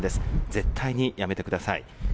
絶対にやめてください。